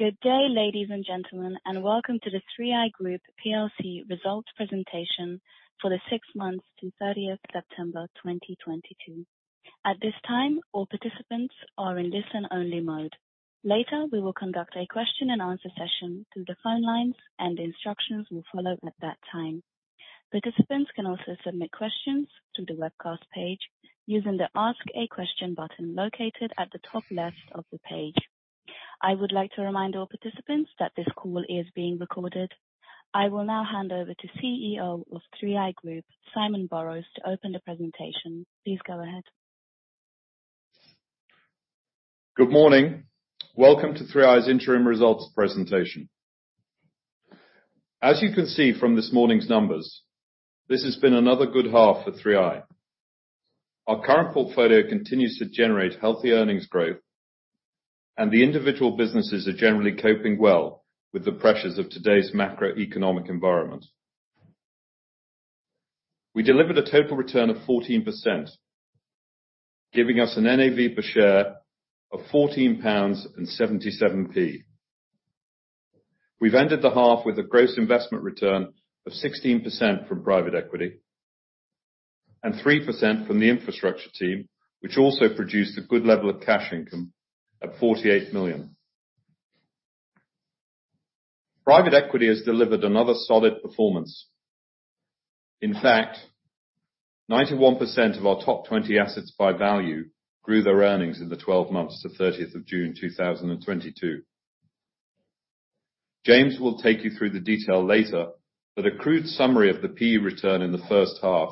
Good day, ladies and gentlemen, and welcome to the 3i Group plc results presentation for the six months to thirtieth September 2022. At this time, all participants are in listen-only mode. Later, we will conduct a question and answer session through the phone lines, and instructions will follow at that time. Participants can also submit questions through the webcast page using the Ask a Question button located at the top left of the page. I would like to remind all participants that this call is being recorded. I will now hand over to CEO of 3i Group, Simon Borrows, to open the presentation. Please go ahead. Good morning. Welcome to 3i's interim results presentation. As you can see from this morning's numbers, this has been another good half for 3i. Our current portfolio continues to generate healthy earnings growth, and the individual businesses are generally coping well with the pressures of today's macroeconomic environment. We delivered a total return of 14%, giving us an NAV per share of 14.77. We've ended the half with a gross investment return of 16% from private equity and 3% from the infrastructure team, which also produced a good level of cash income of 48 million. Private equity has delivered another solid performance. In fact, 91% of our top 20 assets by value grew their earnings in the 12 months to 30th June 2022. James will take you through the detail later, but a crude summary of the PE return in the first half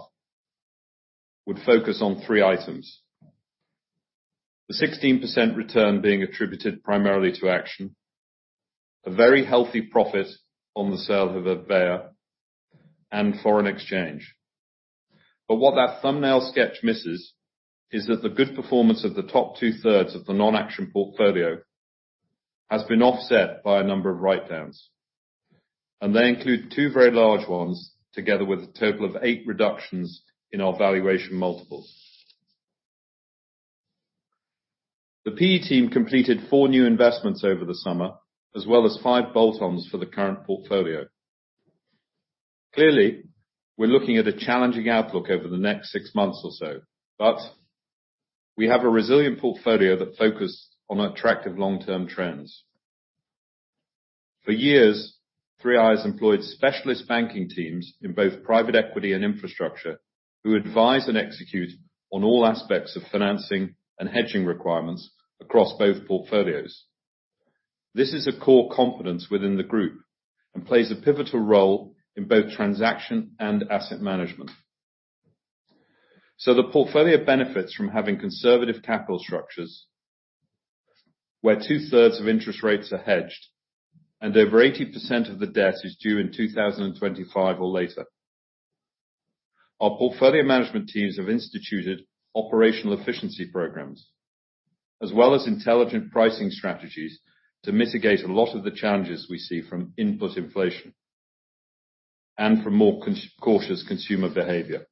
would focus on three items. The 16% return being attributed primarily to Action, a very healthy profit on the sale of Havea, and foreign exchange. What that thumbnail sketch misses is that the good performance of the top two-thirds of the non-Action portfolio has been offset by a number of writedowns, and they include two very large ones, together with a total of eight reductions in our valuation multiples. The PE team completed four new investments over the summer, as well as five bolt-ons for the current portfolio. Clearly, we're looking at a challenging outlook over the next six months or so, but we have a resilient portfolio that focus on attractive long-term trends. For years, 3i has employed specialist banking teams in both private equity and infrastructure who advise and execute on all aspects of financing and hedging requirements across both portfolios. This is a core competence within the group and plays a pivotal role in both transaction and asset management. The portfolio benefits from having conservative capital structures, where two-thirds of interest rates are hedged and over 80% of the debt is due in 2025 or later. Our portfolio management teams have instituted operational efficiency programs as well as intelligent pricing strategies to mitigate a lot of the challenges we see from input inflation and from more cautious consumer behavior.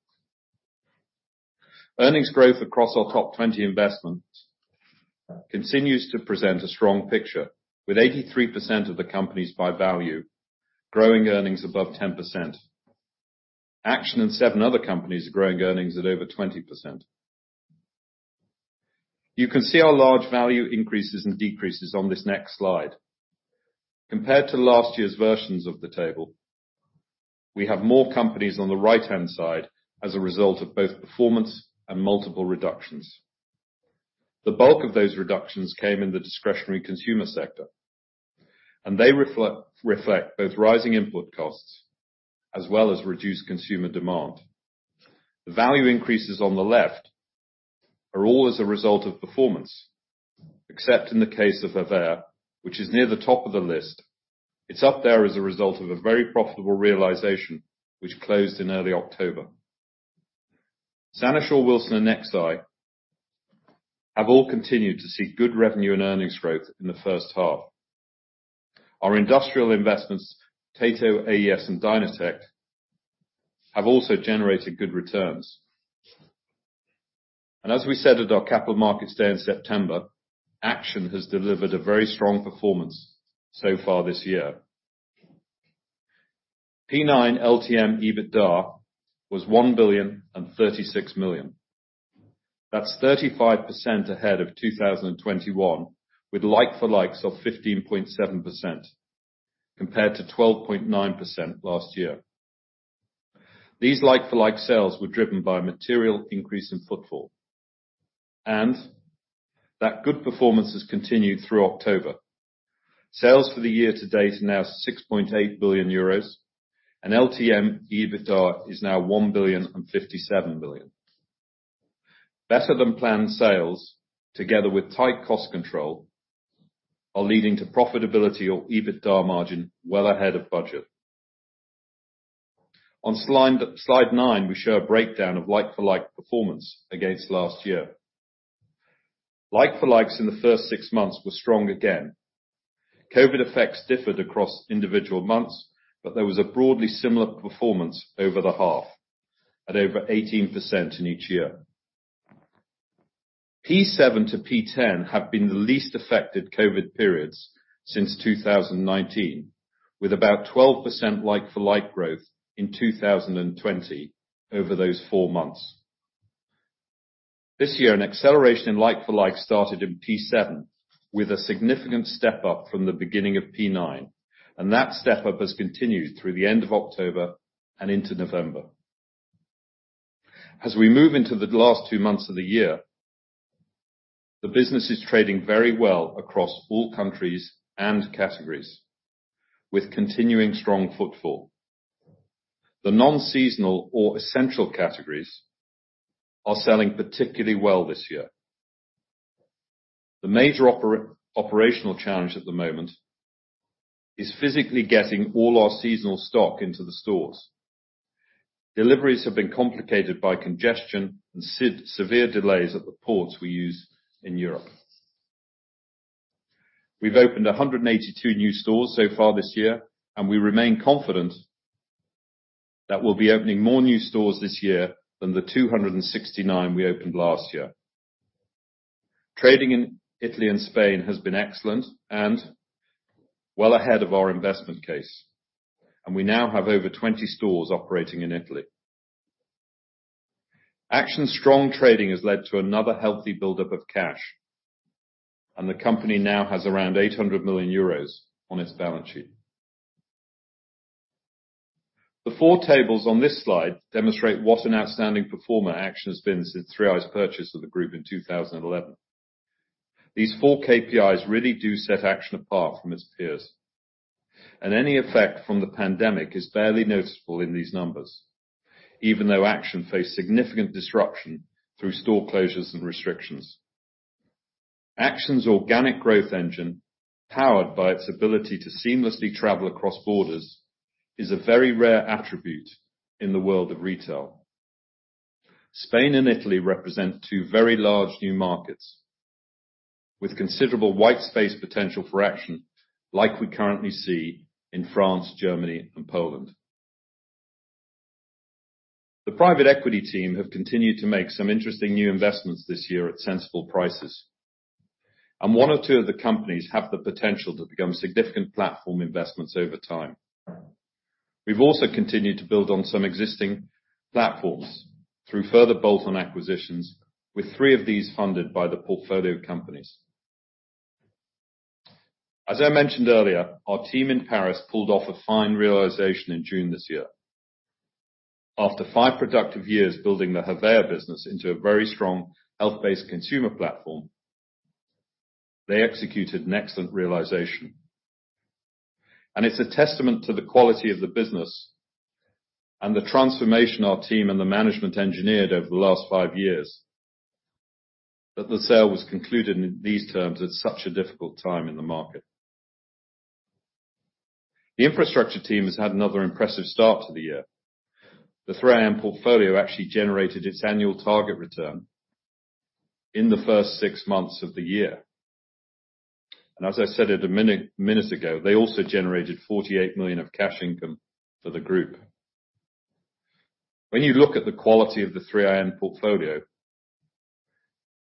Earnings growth across our top 20 investments continues to present a strong picture, with 83% of the companies by value growing earnings above 10%. Action and seven other companies are growing earnings at over 20%. You can see our large value increases and decreases on this next slide. Compared to last year's versions of the table, we have more companies on the right-hand side as a result of both performance and multiple reductions. The bulk of those reductions came in the discretionary consumer sector, and they reflect both rising input costs as well as reduced consumer demand. The value increases on the left are all as a result of performance, except in the case of Havea, which is near the top of the list. It's up there as a result of a very profitable realization, which closed in early October. SaniSure, WilsonHCG, and Nexeye have all continued to see good revenue and earnings growth in the first half. Our industrial investments, Tato, AES, and Dynatect, have also generated good returns. As we said at our Capital Markets Day in September, Action has delivered a very strong performance so far this year. 9M LTM EBITDA was 1.036 billion. That's 35% ahead of 2021, with like-for-likes of 15.7% compared to 12.9% last year. These like-for-like sales were driven by material increase in footfall, and that good performance has continued through October. Sales for the year to date are now 6.8 billion euros, and LTM EBITDA is now 1.057 billion. Better than planned sales, together with tight cost control, are leading to profitability, or EBITDA margin well ahead of budget. On slide nine, we show a breakdown of like-for-like performance against last year. Like-for-likes in the first six months were strong again. COVID effects differed across individual months, but there was a broadly similar performance over the half at over 18% in each year. P7-P10 have been the least affected COVID periods since 2019, with about 12% like-for-like growth in 2020 over those four months. This year, an acceleration in like-for-like started in P7, with a significant step up from the beginning of P9, and that step up has continued through the end of October and into November. As we move into the last two months of the year, the business is trading very well across all countries and categories with continuing strong footfall. The non-seasonal or essential categories are selling particularly well this year. The major operational challenge at the moment is physically getting all our seasonal stock into the stores. Deliveries have been complicated by congestion and severe delays at the ports we use in Europe. We've opened 182 new stores so far this year, and we remain confident that we'll be opening more new stores this year than the 269 we opened last year. Trading in Italy and Spain has been excellent and well ahead of our investment case, and we now have over 20 stores operating in Italy. Action's strong trading has led to another healthy buildup of cash, and the company now has around 800 million euros on its balance sheet. The four tables on this slide demonstrate what an outstanding performer Action has been since 3i's purchase of the group in 2011. These four KPIs really do set Action apart from its peers, and any effect from the pandemic is barely noticeable in these numbers, even though Action faced significant disruption through store closures and restrictions. Action's organic growth engine, powered by its ability to seamlessly travel across borders, is a very rare attribute in the world of retail. Spain and Italy represent two very large new markets with considerable white space potential for Action like we currently see in France, Germany and Poland. The private equity team have continued to make some interesting new investments this year at sensible prices, and one or two of the companies have the potential to become significant platform investments over time. We've also continued to build on some existing platforms through further bolt-on acquisitions, with three of these funded by the portfolio companies. As I mentioned earlier, our team in Paris pulled off a fine realization in June this year. After five productive years building the Havea business into a very strong health-based consumer platform, they executed an excellent realization, and it's a testament to the quality of the business and the transformation our team and the management engineered over the last five years that the sale was concluded in these terms at such a difficult time in the market. The infrastructure team has had another impressive start to the year. The 3i portfolio actually generated its annual target return in the first six months of the year, and as I said ten minutes ago, they also generated 48 million of cash income for the group. When you look at the quality of the 3i portfolio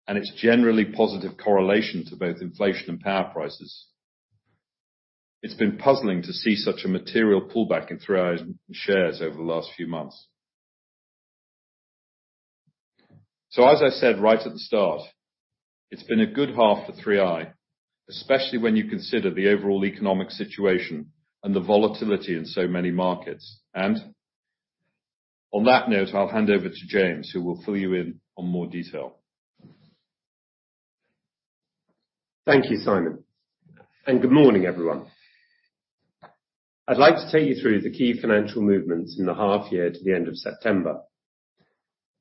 and its generally positive correlation to both inflation and power prices, it's been puzzling to see such a material pullback in 3i's shares over the last few months. As I said right at the start, it's been a good half for 3i, especially when you consider the overall economic situation and the volatility in so many markets. On that note, I'll hand over to James, who will fill you in on more detail. Thank you, Simon, and good morning, everyone. I'd like to take you through the key financial movements in the half year to the end of September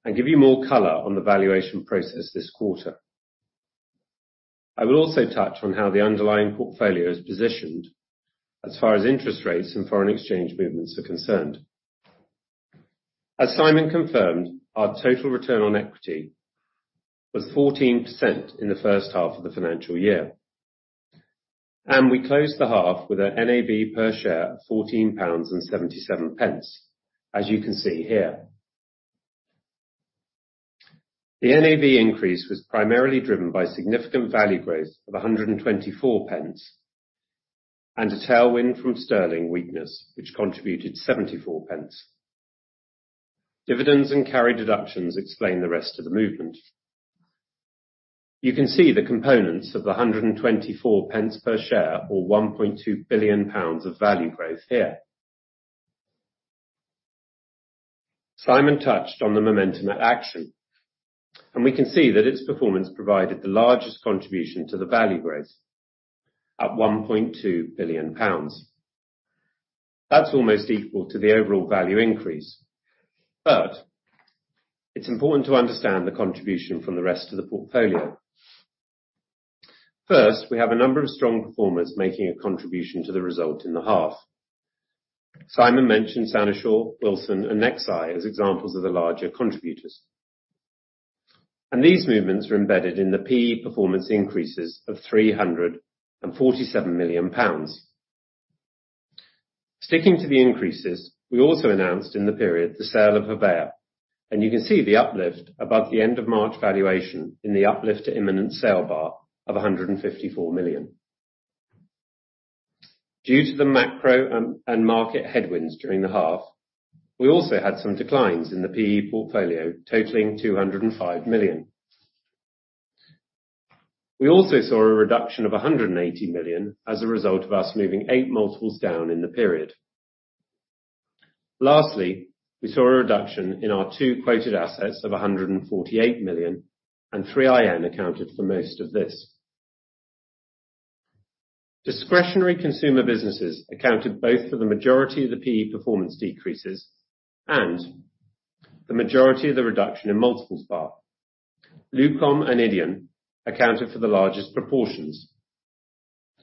and give you more color on the valuation process this quarter. I will also touch on how the underlying portfolio is positioned as far as interest rates and foreign exchange movements are concerned. As Simon confirmed, our total return on equity was 14% in the first half of the financial year, and we closed the half with an NAV per share of GBP 14.77, as you can see here. The NAV increase was primarily driven by significant value growth of 1.24, and a tailwind from sterling weakness, which contributed 0.74. Dividends and carry deductions explain the rest of the movement. You can see the components of the 124 pence per share or 1.2 billion pounds of value growth here. Simon touched on the momentum at Action, and we can see that its performance provided the largest contribution to the value growth at 1.2 billion pounds. That's almost equal to the overall value increase, but it's important to understand the contribution from the rest of the portfolio. First, we have a number of strong performers making a contribution to the result in the half. Simon mentioned SaniSure, WilsonHCG and nexeye as examples of the larger contributors, and these movements are embedded in the PE performance increases of 347 million pounds. Sticking to the increases, we also announced in the period the sale of Havea, and you can see the uplift above the end of March valuation in the uplift to imminent sale bar of 154 million. Due to the macro and market headwinds during the half, we also had some declines in the PE portfolio totaling 205 million. We also saw a reduction of 180 million as a result of us moving eight multiples down in the period. Lastly, we saw a reduction in our two quoted assets of 148 million and 3IN accounted for most of this. Discretionary consumer businesses accounted both for the majority of the PE performance decreases and the majority of the reduction in multiples bar. Luqom and Idean accounted for the largest proportions.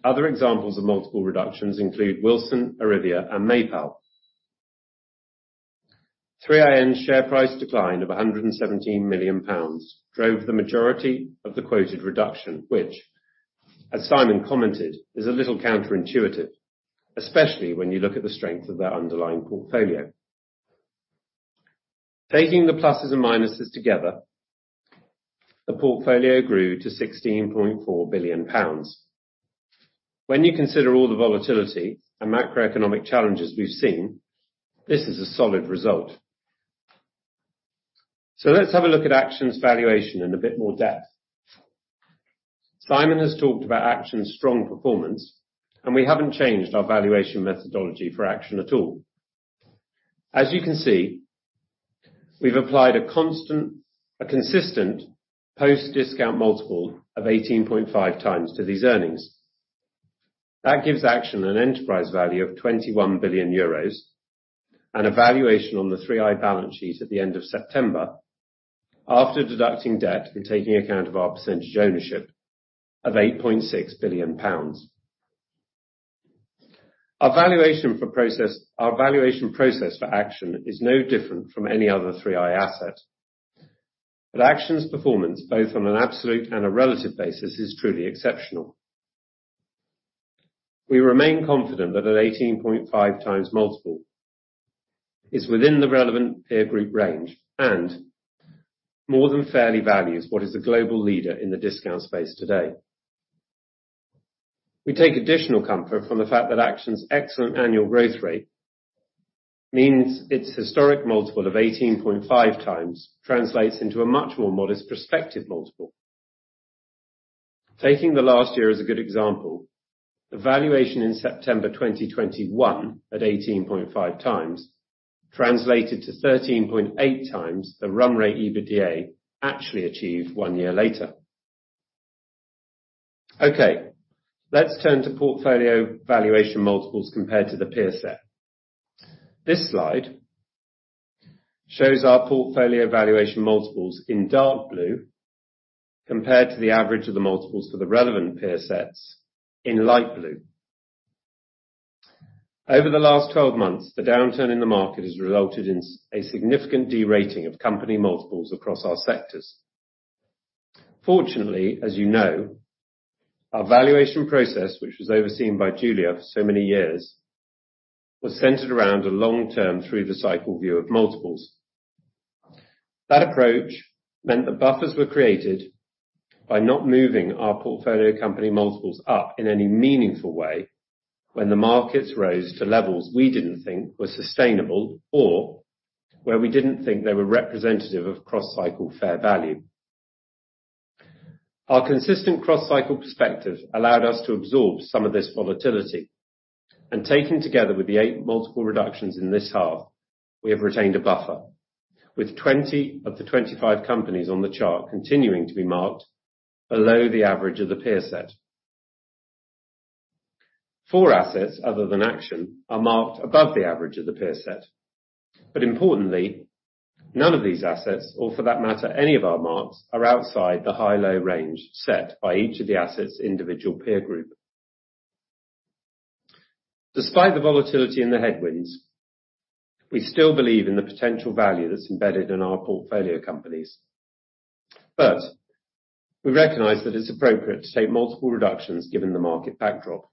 Other examples of multiple reductions include Wilson, Arrivia and Mepal. 3iN share price decline of GBP 117 million drove the majority of the quoted reduction, which, as Simon commented, is a little counter-intuitive, especially when you look at the strength of their underlying portfolio. Taking the pluses and minuses together, the portfolio grew to 16.4 billion pounds. When you consider all the volatility and macroeconomic challenges we've seen, this is a solid result. Let's have a look at Action's valuation in a bit more depth. Simon has talked about Action's strong performance, and we haven't changed our valuation methodology for Action at all. As you can see, we've applied a consistent post-discount multiple of 18.5x to these earnings. That gives Action an enterprise value of 21 billion euros, and a valuation on the 3i balance sheet at the end of September, after deducting debt and taking account of our percentage ownership of 8.6 billion pounds. Our valuation process for Action is no different from any other 3i asset. Action's performance, both on an absolute and a relative basis, is truly exceptional. We remain confident that an 18.5x multiple is within the relevant peer group range, and more than fairly values what is the global leader in the discount space today. We take additional comfort from the fact that Action's excellent annual growth rate means its historic multiple of 18.5x translates into a much more modest prospective multiple. Taking the last year as a good example, the valuation in September 2021 at 18.5x translated to 13.8x the run rate EBITDA actually achieved one year later. Okay, let's turn to portfolio valuation multiples compared to the peer set. This slide shows our portfolio valuation multiples in dark blue, compared to the average of the multiples for the relevant peer sets in light blue. Over the last 12 months, the downturn in the market has resulted in a significant de-rating of company multiples across our sectors. Fortunately, as you know, our valuation process, which was overseen by Julia for so many years, was centered around a long-term through the cycle view of multiples. That approach meant that buffers were created by not moving our portfolio company multiples up in any meaningful way when the markets rose to levels we didn't think were sustainable, or where we didn't think they were representative of cross-cycle fair value. Our consistent cross-cycle perspective allowed us to absorb some of this volatility, and taken together with the 8 multiple reductions in this half, we have retained a buffer with 20 of the 25 companies on the chart continuing to be marked below the average of the peer set. 4 assets other than Action are marked above the average of the peer set, but importantly, none of these assets, or for that matter, any of our marks, are outside the high-low range set by each of the assets' individual peer group. Despite the volatility and the headwinds, we still believe in the potential value that's embedded in our portfolio companies. We recognize that it's appropriate to take multiple reductions given the market backdrop.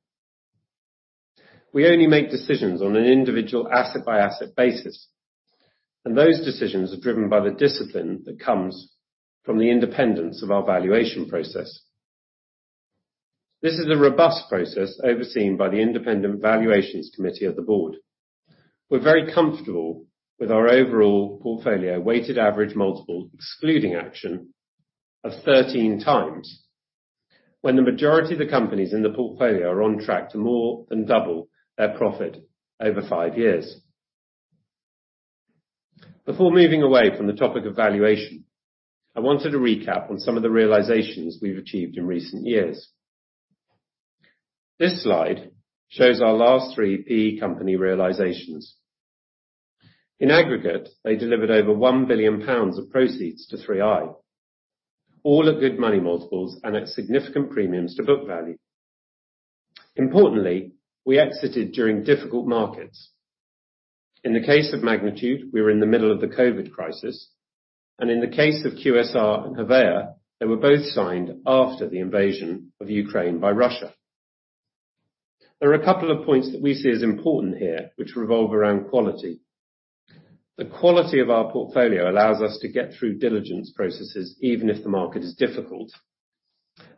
We only make decisions on an individual asset-by-asset basis, and those decisions are driven by the discipline that comes from the independence of our valuation process. This is a robust process overseen by the Independent Valuations Committee of the board. We're very comfortable with our overall portfolio weighted average multiple, excluding Action, of 13x when the majority of the companies in the portfolio are on track to more than double their profit over five years. Before moving away from the topic of valuation, I wanted to recap on some of the realizations we've achieved in recent years. This slide shows our last three PE company realizations. In aggregate, they delivered over 1 billion pounds of proceeds to 3i, all at good money multiples and at significant premiums to book value. Importantly, we exited during difficult markets. In the case of Magnitude, we were in the middle of the COVID crisis, and in the case of QSR and Havea, they were both signed after the invasion of Ukraine by Russia. There are a couple of points that we see as important here, which revolve around quality. The quality of our portfolio allows us to get through diligence processes, even if the market is difficult.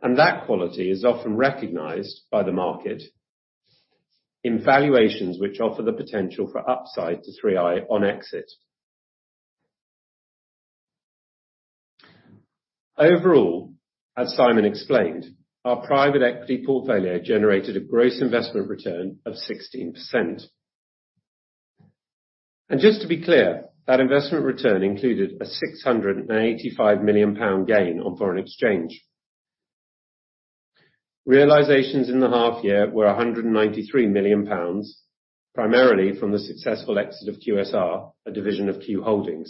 That quality is often recognized by the market in valuations which offer the potential for upside to 3i on exit. Overall, as Simon explained, our private equity portfolio generated a gross investment return of 16%. Just to be clear, that investment return included a 685 million pound gain on foreign exchange. Realizations in the half year were 193 million pounds, primarily from the successful exit of QSR, a division of Q Holding.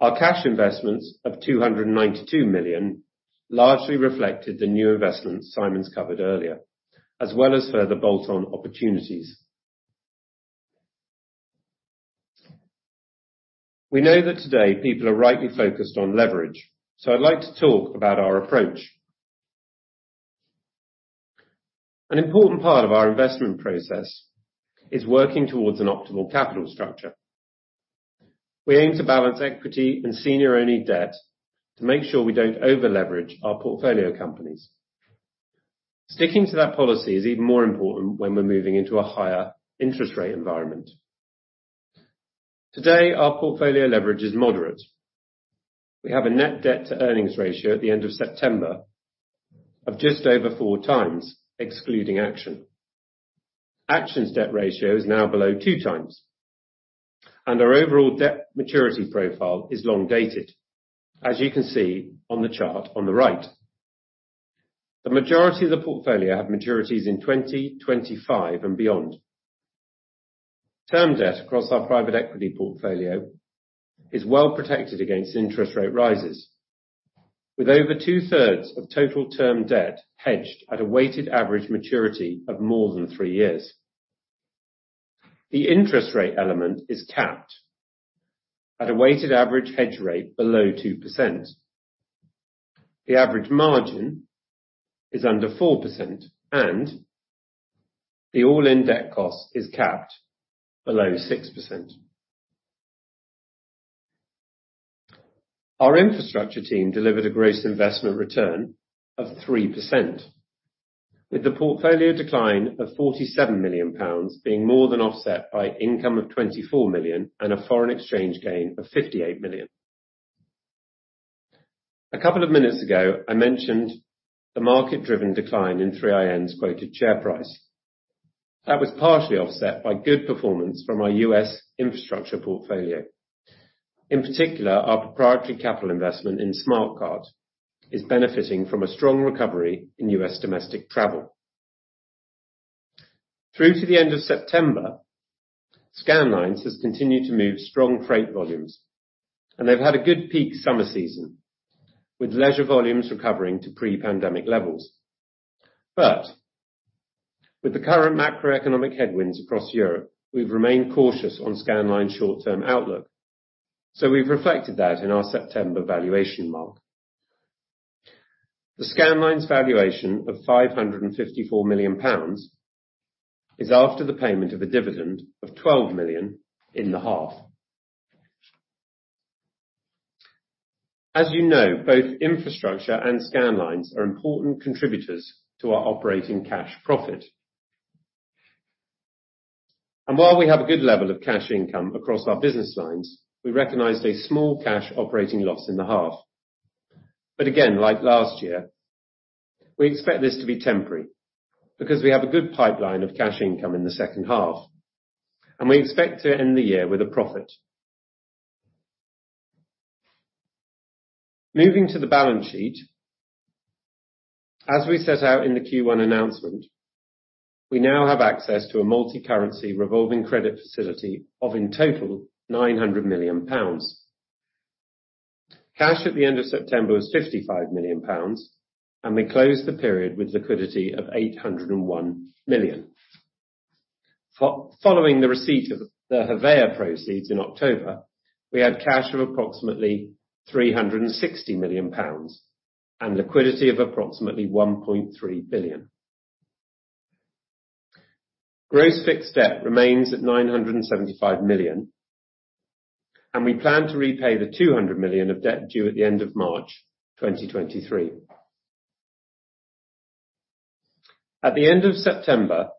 Our cash investments of 292 million largely reflected the new investments Simon's covered earlier, as well as further bolt-on opportunities. We know that today people are rightly focused on leverage, so I'd like to talk about our approach. An important part of our investment process is working towards an optimal capital structure. We aim to balance equity and senior-only debt to make sure we don't over-leverage our portfolio companies. Sticking to that policy is even more important when we're moving into a higher interest rate environment. Today, our portfolio leverage is moderate. We have a net debt to earnings ratio at the end of September of just over 4 times, excluding Action. Action's debt ratio is now below 2 times, and our overall debt maturity profile is long-dated, as you can see on the chart on the right. The majority of the portfolio have maturities in 2025 and beyond. Term debt across our private equity portfolio is well protected against interest rate rises, with over two-thirds of total term debt hedged at a weighted average maturity of more than 3 years. The interest rate element is capped at a weighted average hedge rate below 2%. The average margin is under 4%, and the all-in debt cost is capped below 6%. Our infrastructure team delivered a gross investment return of 3%, with the portfolio decline of 47 million pounds being more than offset by income of 24 million and a foreign exchange gain of 58 million. A couple of minutes ago, I mentioned the market-driven decline in 3IN's quoted share price. That was partially offset by good performance from our U.S. infrastructure portfolio. In particular, our proprietary capital investment in SmartCard is benefiting from a strong recovery in U.S. domestic travel. Through to the end of September, Scandlines has continued to move strong freight volumes, and they've had a good peak summer season, with leisure volumes recovering to pre-pandemic levels. With the current macroeconomic headwinds across Europe, we've remained cautious on Scandlines' short-term outlook. We've reflected that in our September valuation mark. The Scandlines valuation of 554 million pounds is after the payment of a dividend of 12 million in the half. As you know, both infrastructure and Scandlines are important contributors to our operating cash profit. While we have a good level of cash income across our business lines, we recognized a small cash operating loss in the half. Again, like last year, we expect this to be temporary because we have a good pipeline of cash income in the second half, and we expect to end the year with a profit. Moving to the balance sheet. As we set out in the Q1 announcement, we now have access to a multicurrency revolving credit facility of in total 900 million pounds. Cash at the end of September was 55 million pounds, and we closed the period with liquidity of 801 million. Following the receipt of the Havea proceeds in October, we had cash of approximately 360 million pounds and liquidity of approximately 1.3 billion. Gross fixed debt remains at 975 million, and we plan to repay 200 million of debt due at the end of March 2023. At the end of September,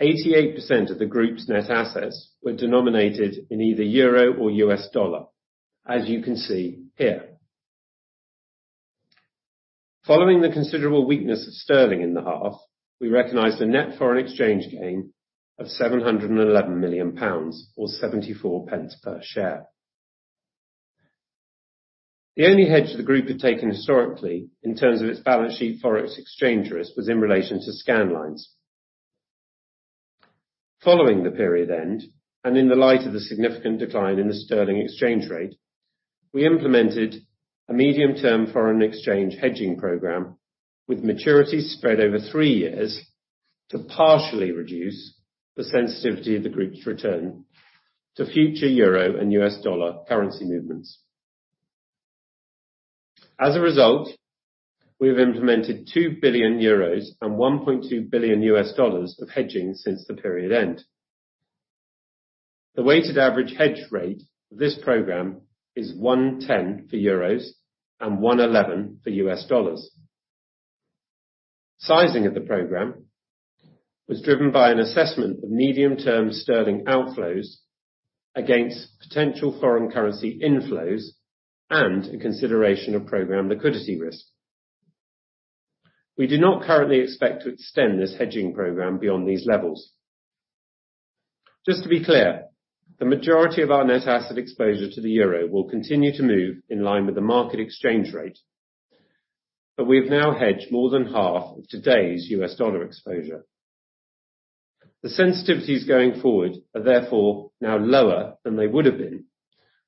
88% of the group's net assets were denominated in either euro or US dollar, as you can see here. Following the considerable weakness of sterling in the half, we recognized a net foreign exchange gain of 711 million pounds, or 0.74 per share. The only hedge the group had taken historically in terms of its balance sheet Forex exchange risk was in relation to Scandlines. Following the period end, and in the light of the significant decline in the sterling exchange rate. We implemented a medium-term foreign exchange hedging program with maturity spread over 3 years to partially reduce the sensitivity of the group's return to future euro and US dollar currency movements. As a result, we have implemented 2 billion euros and $1.2 billion of hedging since the period end. The weighted average hedge rate of this program is 1.10 for euros and 1.11 for US dollars. Sizing of the program was driven by an assessment of medium-term sterling outflows against potential foreign currency inflows and a consideration of program liquidity risk. We do not currently expect to extend this hedging program beyond these levels. Just to be clear, the majority of our net asset exposure to the euro will continue to move in line with the market exchange rate. We have now hedged more than half of today's US dollar exposure. The sensitivities going forward are therefore now lower than they would have been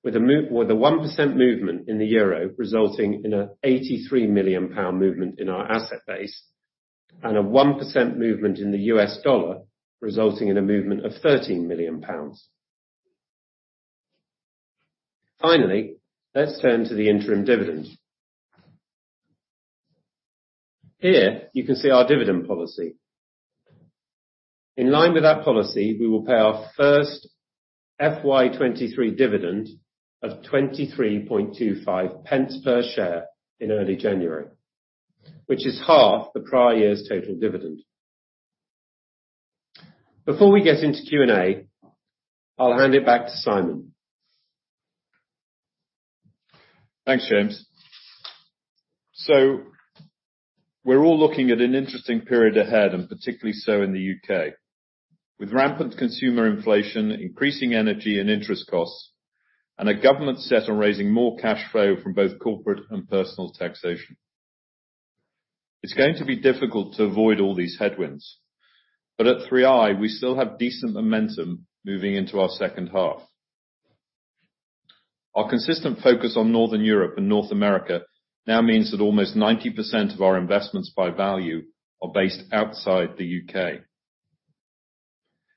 with a 1% movement in the euro, resulting in a 83 million pound movement in our asset base, and a 1% movement in the US dollar, resulting in a movement of 13 million pounds. Finally, let's turn to the interim dividend. Here you can see our dividend policy. In line with that policy, we will pay our first FY 2023 dividend of 23.25 pence per share in early January, which is half the prior year's total dividend. Before we get into Q&A, I'll hand it back to Simon. Thanks, James. We're all looking at an interesting period ahead, and particularly so in the U.K., with rampant consumer inflation, increasing energy and interest costs, and a government set on raising more cash flow from both corporate and personal taxation. It's going to be difficult to avoid all these headwinds, but at 3i, we still have decent momentum moving into our second half. Our consistent focus on Northern Europe and North America now means that almost 90% of our investments by value are based outside the U.K.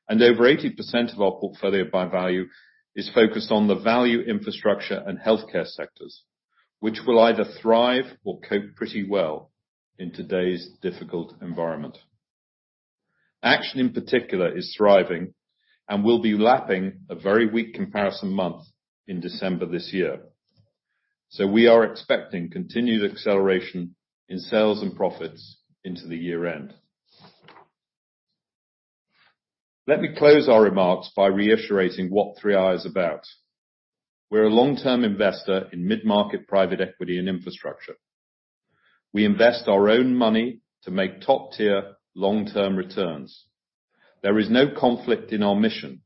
Over 80% of our portfolio by value is focused on the value, infrastructure, and healthcare sectors, which will either thrive or cope pretty well in today's difficult environment. Action in particular is thriving and will be lapping a very weak comparison month in December this year. We are expecting continued acceleration in sales and profits into the year-end. Let me close our remarks by reiterating what 3i is about. We're a long-term investor in mid-market private equity and infrastructure. We invest our own money to make top-tier long-term returns. There is no conflict in our mission.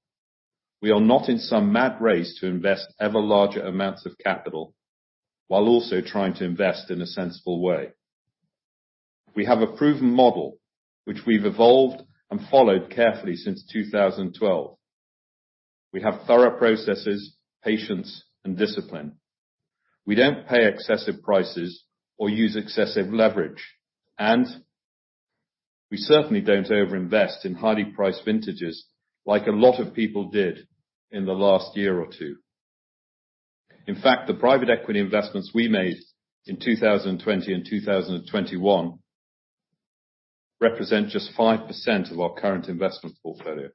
We are not in some mad race to invest ever larger amounts of capital while also trying to invest in a sensible way. We have a proven model which we've evolved and followed carefully since 2012. We have thorough processes, patience, and discipline. We don't pay excessive prices or use excessive leverage, and we certainly don't over-invest in highly priced vintages like a lot of people did in the last year or two. In fact, the private equity investments we made in 2020 and 2021 represent just 5% of our current investment portfolio.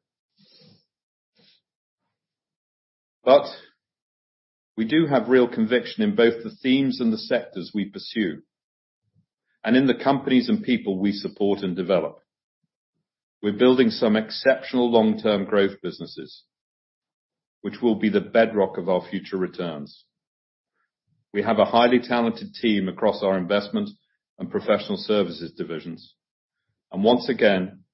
We do have real conviction in both the themes and the sectors we pursue, and in the companies and people we support and develop. We're building some exceptional long-term growth businesses, which will be the bedrock of our future returns. We have a highly talented team across our investment and professional services divisions. Once again,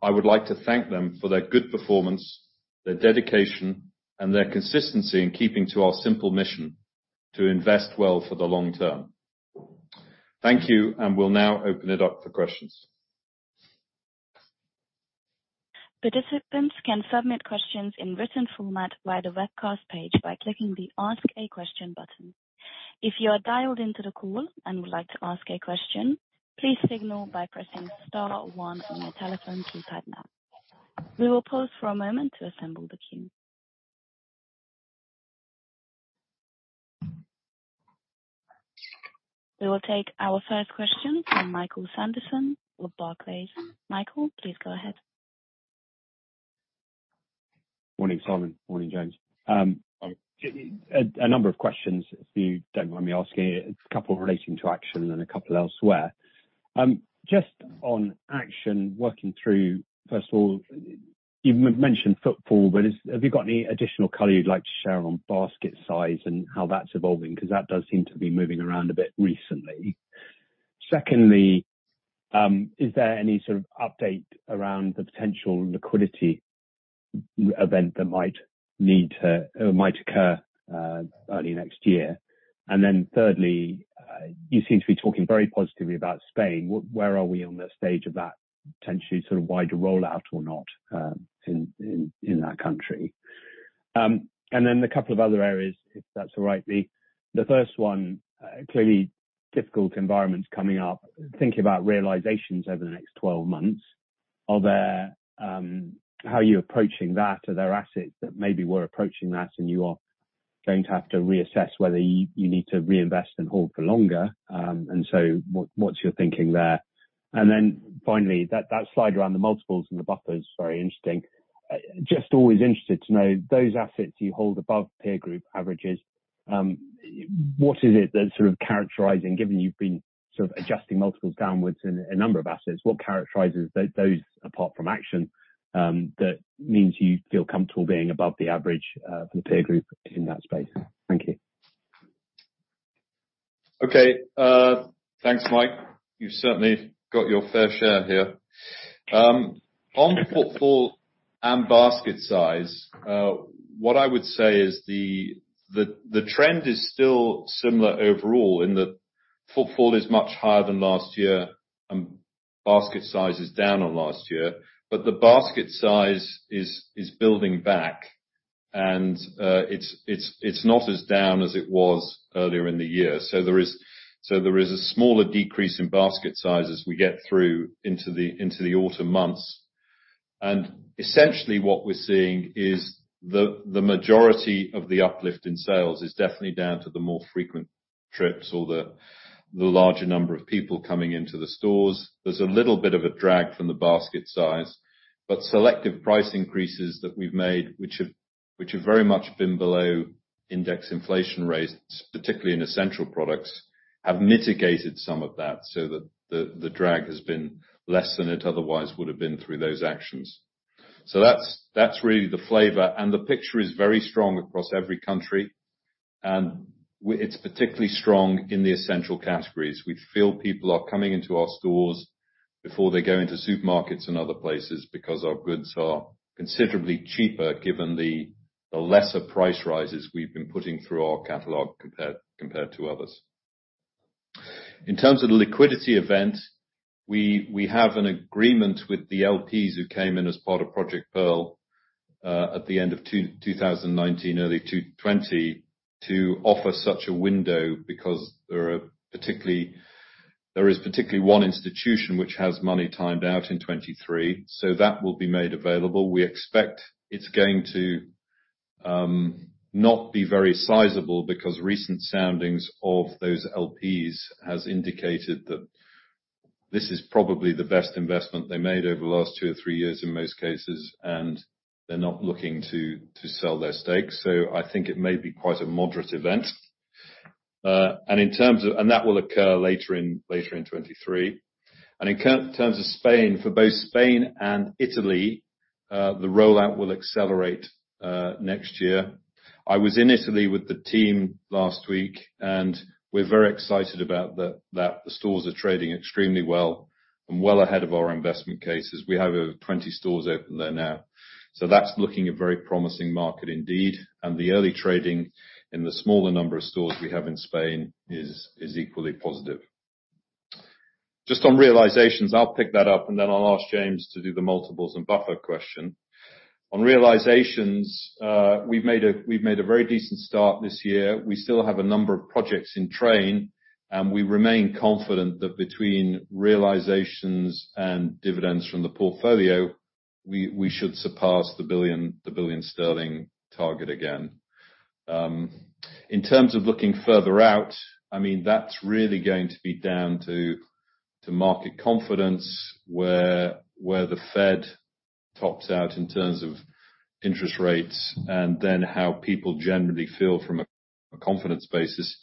I would like to thank them for their good performance, their dedication, and their consistency in keeping to our simple mission to invest well for the long term. Thank you, and we'll now open it up for questions. Participants can submit questions in written format via the webcast page by clicking the Ask a Question button. If you are dialed into the call and would like to ask a question, please signal by pressing star one on your telephone keypad now. We will pause for a moment to assemble the queue. We will take our first question from Michael Sanderson of Barclays. Michael, please go ahead. Morning, Simon. Morning, James. A number of questions, if you don't mind me asking. A couple relating to Action and a couple elsewhere. Just on Action, working through. First of all, you've mentioned footfall, but have you got any additional color you'd like to share on basket size and how that's evolving? 'Cause that does seem to be moving around a bit recently. Secondly, is there any sort of update around the potential liquidity event that might need to or might occur early next year? And then thirdly, you seem to be talking very positively about Spain. Where are we on the stage of that? Potentially sort of wider rollout or not in that country. A couple of other areas, if that's all right, the first one, clearly difficult environments coming up, thinking about realizations over the next 12 months. How are you approaching that? Are there assets that maybe we're approaching that and you are going to have to reassess whether you need to reinvest and hold for longer? What's your thinking there? Finally, that slide around the multiples and the buffer is very interesting. Just always interested to know those assets you hold above peer group averages, what is it that's sort of characterizing, given you've been sort of adjusting multiples downwards in a number of assets, what characterizes those apart from Action, that means you feel comfortable being above the average for the peer group in that space? Thank you. Okay. Thanks, Mike. You've certainly got your fair share here. On footfall and basket size, what I would say is the trend is still similar overall in that footfall is much higher than last year and basket size is down on last year. The basket size is building back and it's not as down as it was earlier in the year. There is a smaller decrease in basket size as we get through into the autumn months. Essentially what we're seeing is the majority of the uplift in sales is definitely down to the more frequent trips or the larger number of people coming into the stores. There's a little bit of a drag from the basket size, but selective price increases that we've made, which have very much been below index inflation rates, particularly in essential products, have mitigated some of that so that the drag has been less than it otherwise would have been through those actions. That's really the flavor. The picture is very strong across every country. It's particularly strong in the essential categories. We feel people are coming into our stores before they go into supermarkets and other places because our goods are considerably cheaper given the lesser price rises we've been putting through our catalog compared to others. In terms of the liquidity event, we have an agreement with the LPs who came in as part of Project Pearl at the end of 2019, early 2020 to offer such a window because there is particularly one institution which has money timed out in 2023, so that will be made available. We expect it's going to not be very sizable because recent soundings of those LPs has indicated that this is probably the best investment they made over the last two or three years in most cases, and they're not looking to sell their stakes. So I think it may be quite a moderate event. That will occur later in 2023. In terms of Spain, for both Spain and Italy, the rollout will accelerate next year. I was in Italy with the team last week, and we're very excited about that the stores are trading extremely well and well ahead of our investment cases. We have over 20 stores open there now. That's looking a very promising market indeed, and the early trading in the smaller number of stores we have in Spain is equally positive. Just on realizations, I'll pick that up and then I'll ask James to do the multiples and buffer question. On realizations, we've made a very decent start this year. We still have a number of projects in train, and we remain confident that between realizations and dividends from the portfolio, we should surpass the 1 billion sterling target again. In terms of looking further out, I mean, that's really going to be down to market confidence, where the Fed tops out in terms of interest rates, and then how people generally feel from a confidence basis.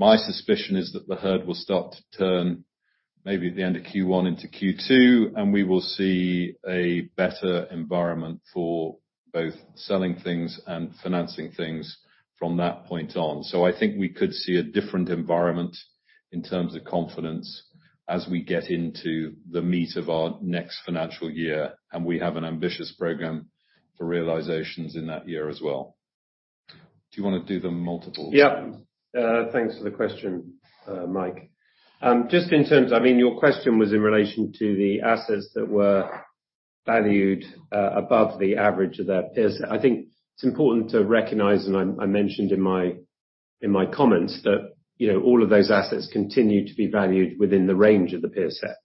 My suspicion is that the herd will start to turn maybe at the end of Q1 into Q2, and we will see a better environment for both selling things and financing things from that point on. I think we could see a different environment in terms of confidence as we get into the meat of our next financial year, and we have an ambitious program for realizations in that year as well. Do you wanna do the multiples, James? Yeah. Thanks for the question, Mike. Just in terms... I mean, your question was in relation to the assets that were valued above the average of their peers. I think it's important to recognize, and I mentioned in my comments, that, you know, all of those assets continue to be valued within the range of the peer set.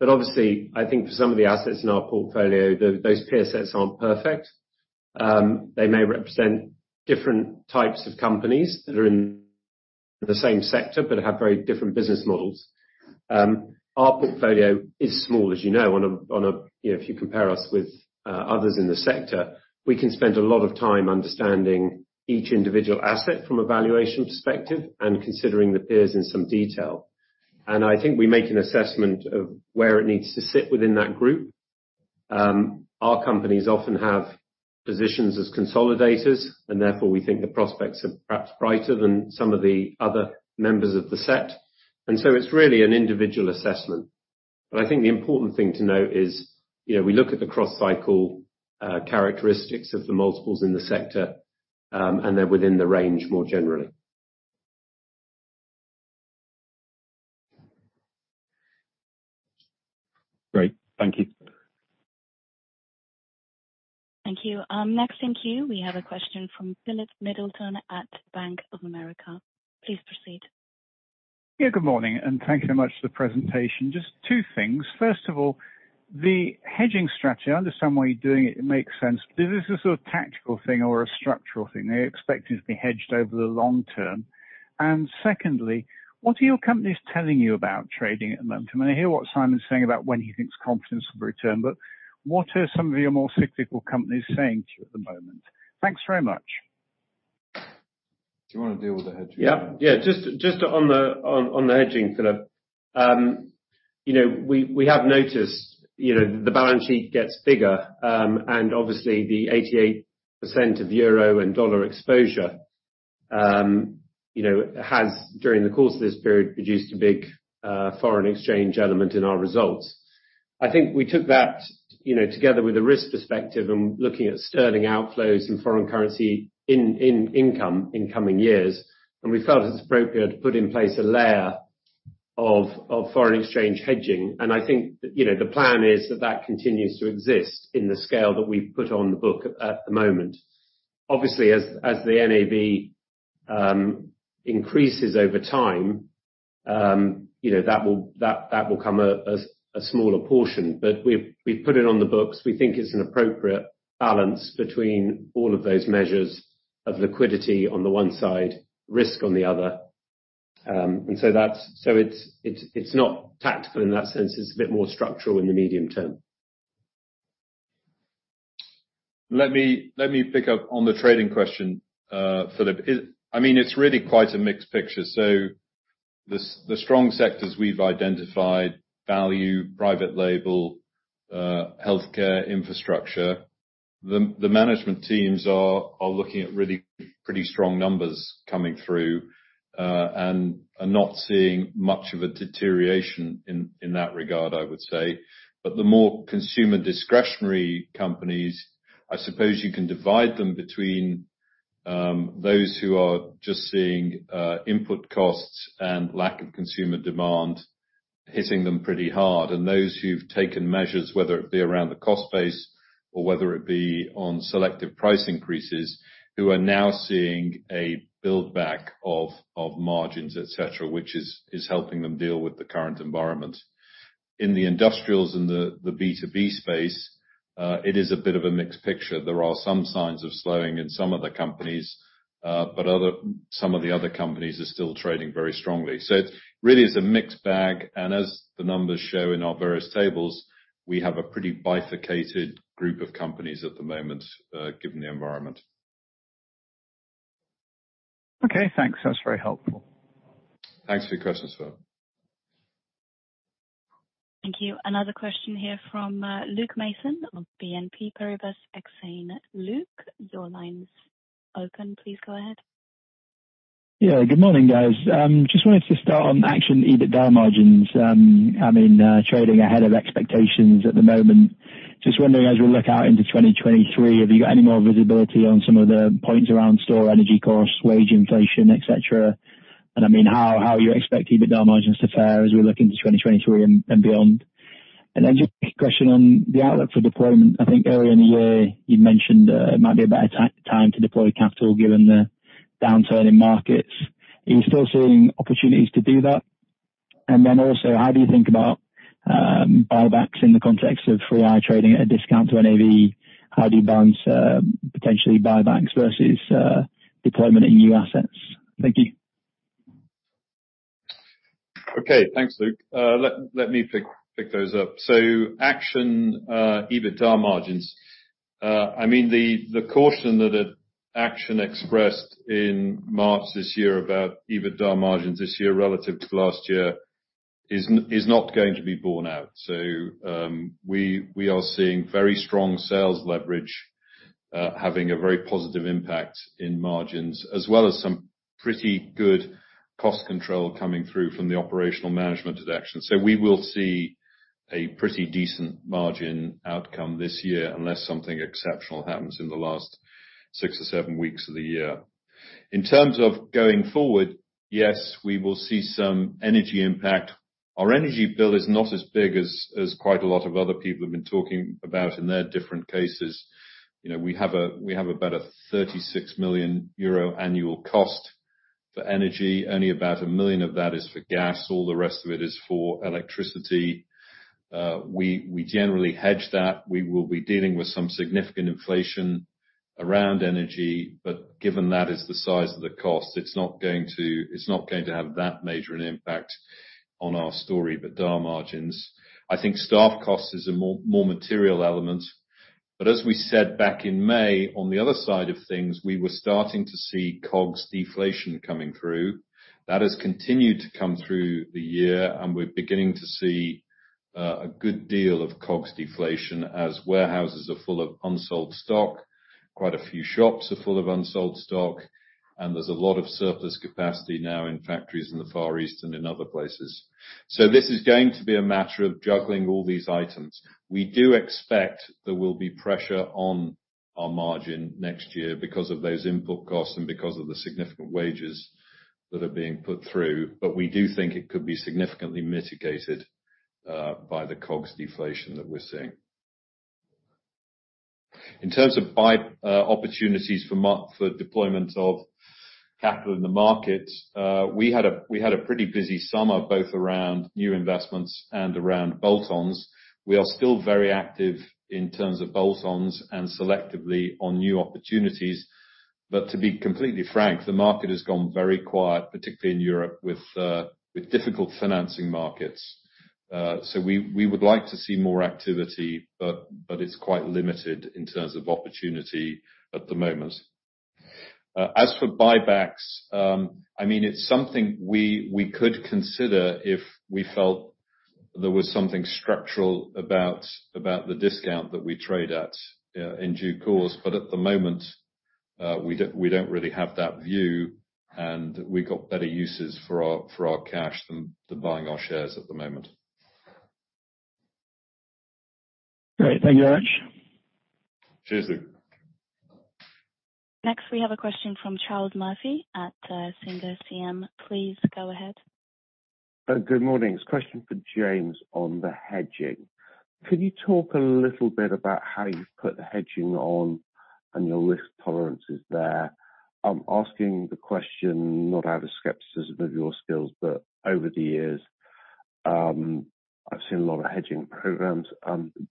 But obviously, I think for some of the assets in our portfolio, those peer sets aren't perfect. They may represent different types of companies that are in the same sector, but have very different business models. Our portfolio is small, as you know, on a, you know, if you compare us with others in the sector. We can spend a lot of time understanding each individual asset from a valuation perspective and considering the peers in some detail. I think we make an assessment of where it needs to sit within that group. Our companies often have positions as consolidators, and therefore we think the prospects are perhaps brighter than some of the other members of the set. It's really an individual assessment. I think the important thing to note is, you know, we look at the cross-cycle characteristics of the multiples in the sector, and they're within the range more generally. Great. Thank you. Thank you. Next in queue, we have a question from Philip Sheridan at Bank of America. Please proceed. Yeah, good morning, and thanks so much for the presentation. Just two things. First of all, the hedging strategy, I understand why you're doing it. It makes sense. Is this a sort of tactical thing or a structural thing? Are you expecting to be hedged over the long term? Secondly, what are your companies telling you about trading at the moment? I mean, I hear what Simon is saying about when he thinks confidence will return, but what are some of your more cyclical companies saying to you at the moment? Thanks very much. Do you wanna deal with the hedging? Yeah, just on the hedging, Philip. You know, we have noticed, you know, the balance sheet gets bigger, and obviously the 88% of euro and dollar exposure, you know, has during the course of this period produced a big foreign exchange element in our results. I think we took that, you know, together with a risk perspective and looking at sterling outflows and foreign currency in income in coming years, and we felt it was appropriate to put in place a layer of foreign exchange hedging. I think, you know, the plan is that continues to exist in the scale that we've put on the book at the moment. Obviously, as the NAV increases over time, you know, that will become a smaller portion. We've put it on the books. We think it's an appropriate balance between all of those measures of liquidity on the one side, risk on the other. It's not tactical in that sense, it's a bit more structural in the medium term. Let me pick up on the trading question, Philip. I mean, it's really quite a mixed picture. The strong sectors we've identified, value, private label, healthcare, infrastructure, the management teams are looking at really pretty strong numbers coming through, and are not seeing much of a deterioration in that regard, I would say. The more consumer discretionary companies, I suppose you can divide them between those who are just seeing input costs and lack of consumer demand hitting them pretty hard, and those who've taken measures, whether it be around the cost base or whether it be on selective price increases, who are now seeing a build back of margins, et cetera, which is helping them deal with the current environment. In the industrials and the B2B space, it is a bit of a mixed picture. There are some signs of slowing in some of the companies, but some of the other companies are still trading very strongly. It really is a mixed bag, and as the numbers show in our various tables, we have a pretty bifurcated group of companies at the moment, given the environment. Okay, thanks. That's very helpful. Thanks for your question, Philip. Thank you. Another question here from Luke Mason of BNP Paribas Exane. Luke, your line's open. Please go ahead. Yeah, good morning, guys. Just wanted to start on Action EBITDA margins. I mean, trading ahead of expectations at the moment. Just wondering, as we look out into 2023, have you got any more visibility on some of the points around store energy costs, wage inflation, et cetera? I mean, how you expect EBITDA margins to fare as we look into 2023 and beyond? Just a question on the outlook for deployment. I think earlier in the year you mentioned it might be a better time to deploy capital given the downturn in markets. Are you still seeing opportunities to do that? How do you think about buybacks in the context of 3i trading at a discount to NAV? How do you balance potentially buybacks versus deployment in new assets? Thank you. Okay. Thanks, Luke. Let me pick those up. Action, EBITDA margins. I mean, the caution that Action expressed in March this year about EBITDA margins this year relative to last year is not going to be borne out. We are seeing very strong sales leverage, having a very positive impact in margins, as well as some pretty good cost control coming through from the operational management at Action. We will see a pretty decent margin outcome this year unless something exceptional happens in the last six or seven weeks of the year. In terms of going forward, yes, we will see some energy impact. Our energy bill is not as big as quite a lot of other people have been talking about in their different cases. You know, we have about 36 million euro annual cost for energy. Only about 1 million of that is for gas. All the rest of it is for electricity. We generally hedge that. We will be dealing with some significant inflation around energy, but given that is the size of the cost, it's not going to have that major an impact on our story, EBITDA margins. I think staff cost is a more material element. As we said back in May, on the other side of things, we were starting to see COGS deflation coming through. That has continued to come through the year, and we're beginning to see a good deal of COGS deflation as warehouses are full of unsold stock, quite a few shops are full of unsold stock, and there's a lot of surplus capacity now in factories in the Far East and in other places. This is going to be a matter of juggling all these items. We do expect there will be pressure on our margin next year because of those input costs and because of the significant wages that are being put through. We do think it could be significantly mitigated by the COGS deflation that we're seeing. In terms of buy opportunities for deployment of capital in the market, we had a pretty busy summer, both around new investments and around bolt-ons. We are still very active in terms of bolt-ons and selectively on new opportunities. To be completely frank, the market has gone very quiet, particularly in Europe, with difficult financing markets. We would like to see more activity, but it's quite limited in terms of opportunity at the moment. As for buybacks, I mean, it's something we could consider if we felt there was something structural about the discount that we trade at, in due course. At the moment, we don't really have that view, and we got better uses for our cash than to buying our shares at the moment. Great. Thank you very much. Cheers. Next, we have a question from Charles Murphy at Sinders CM. Please go ahead. Good morning. It's a question for James on the hedging. Could you talk a little bit about how you've put the hedging on and your risk tolerances there? I'm asking the question not out of skepticism of your skills, but over the years, I've seen a lot of hedging programs,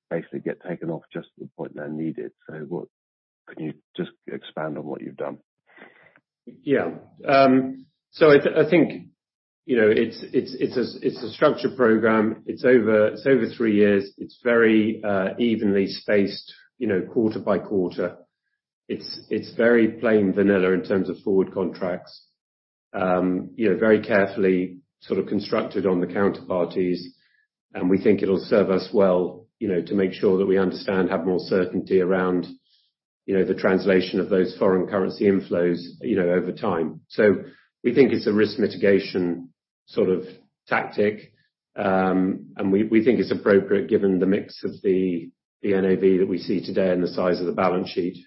basically get taken off just at the point they're needed. Can you just expand on what you've done? Yeah. I think, you know, it's a structured program. It's over three years. It's very evenly spaced, you know, quarter by quarter. It's very plain vanilla in terms of forward contracts. You know, very carefully sort of constructed on the counterparties, and we think it'll serve us well, you know, to make sure that we understand, have more certainty around, you know, the translation of those foreign currency inflows, you know, over time. We think it's a risk mitigation sort of tactic. We think it's appropriate given the mix of the NAV that we see today and the size of the balance sheet.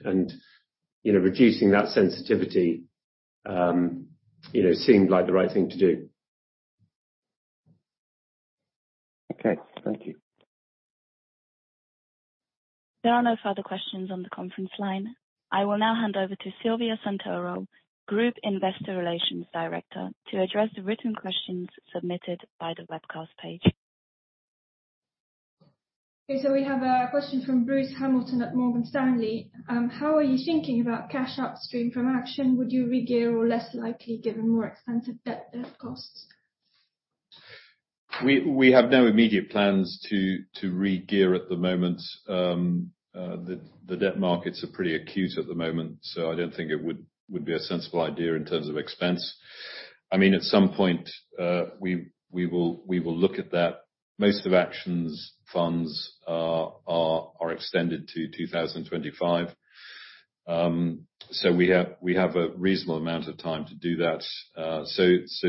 You know, reducing that sensitivity seemed like the right thing to do. Okay. Thank you. There are no further questions on the conference line. I will now hand over to Silvia Santoro, Group Investor Relations Director, to address the written questions submitted by the webcast page. We have a question from Bruce Hamilton at Morgan Stanley. How are you thinking about cash upstream from Action? Would you regear or less likely given more expensive debt costs? We have no immediate plans to regear at the moment. The debt markets are pretty acute at the moment, so I don't think it would be a sensible idea in terms of expense. I mean, at some point, we will look at that. Most of Action's funds are extended to 2025. We have a reasonable amount of time to do that.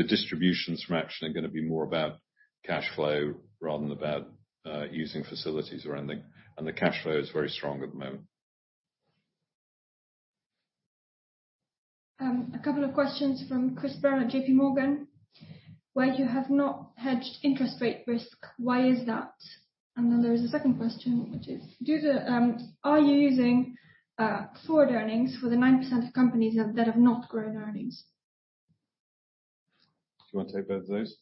Distributions from Action are gonna be more about cash flow rather than about using facilities or anything. The cash flow is very strong at the moment. A couple of questions from Christopher Brown at JPMorgan. Why have you not hedged interest rate risk, why is that? There is a second question, which is, are you using forward earnings for the 9% of companies that have not grown earnings? Do you wanna take both of those?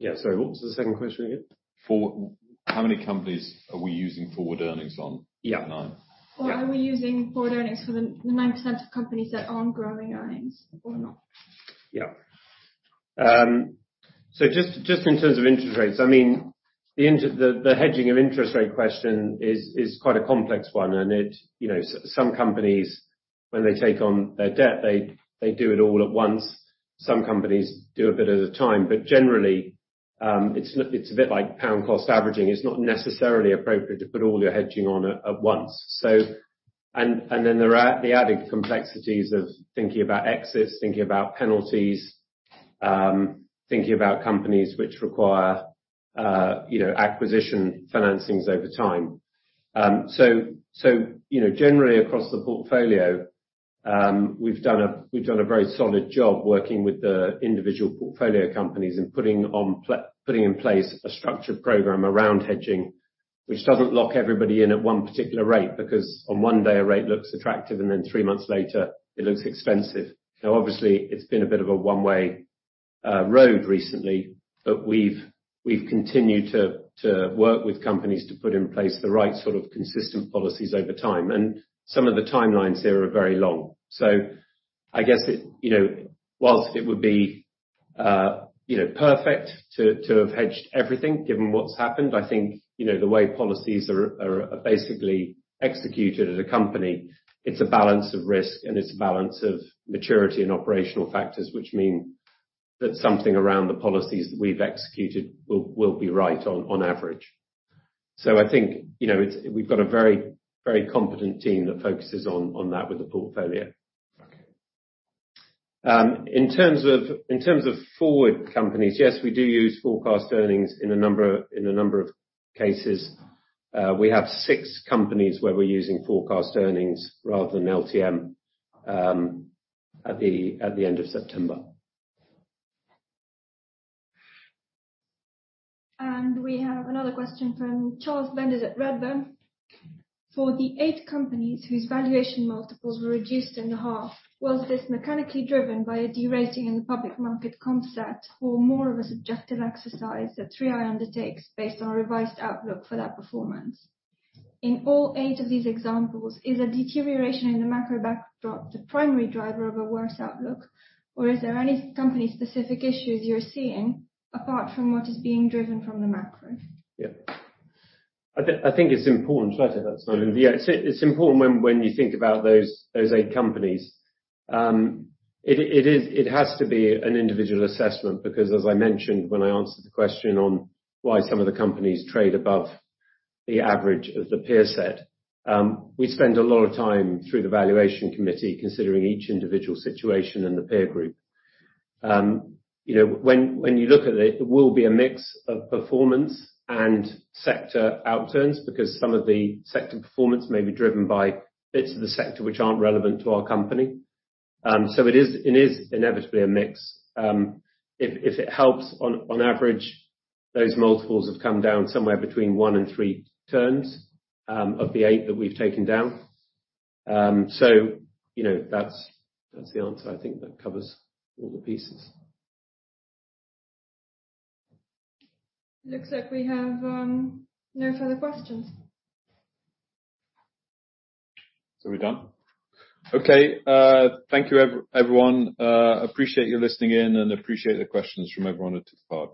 Yeah. Sorry, what was the second question again? For how many companies are we using forward earnings on? Yeah. Nine. Yeah. Are we using forward earnings for the 9% of companies that aren't growing earnings or not? Yeah. Just in terms of interest rates, I mean, the interest rate hedging question is quite a complex one. It, you know, some companies, when they take on their debt, they do it all at once. Some companies do a bit at a time. Generally, it's a bit like pound cost averaging. It's not necessarily appropriate to put all your hedging on at once. There are the added complexities of thinking about exits, thinking about penalties, thinking about companies which require, you know, acquisition financings over time. You know, generally across the portfolio, we've done a very solid job working with the individual portfolio companies and putting in place a structured program around hedging, which doesn't lock everybody in at one particular rate, because on one day, a rate looks attractive, and then three months later, it looks expensive. Now, obviously, it's been a bit of a one-way road recently, but we've continued to work with companies to put in place the right sort of consistent policies over time. Some of the timelines there are very long. I guess it, you know, while it would be, you know, perfect to have hedged everything given what's happened, I think, you know, the way policies are basically executed at a company, it's a balance of risk, and it's a balance of maturity and operational factors, which mean that something around the policies that we've executed will be right on average. I think, you know, we've got a very competent team that focuses on that with the portfolio. In terms of forward companies, yes, we do use forecast earnings in a number of cases. We have six companies where we're using forecast earnings rather than LTM at the end of September. We have another question from Charles Bendit at Redburn. For the eight companies whose valuation multiples were reduced in the half, was this mechanically driven by a de-rating in the public market concept or more of a subjective exercise that 3i undertakes based on revised outlook for that performance? In all eight of these examples, is a deterioration in the macro backdrop the primary driver of a worse outlook, or is there any company specific issues you're seeing apart from what is being driven from the macro? Yeah. I think it's important. Sorry for that, smiling. Yeah, it's important when you think about those eight companies, it has to be an individual assessment because as I mentioned when I answered the question on why some of the companies trade above the average of the peer set, we spend a lot of time through the Valuations Committee considering each individual situation in the peer group. You know, when you look at it will be a mix of performance and sector outturns, because some of the sector performance may be driven by bits of the sector which aren't relevant to our company. It is inevitably a mix. If it helps, on average, those multiples have come down somewhere between 1 and 3 turns of the 8 that we've taken down. You know, that's the answer I think that covers all the pieces. Looks like we have no further questions. We're done? Okay. Thank you everyone. Appreciate you listening in and appreciate the questions from everyone who took part.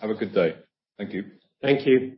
Have a good day. Thank you. Thank you.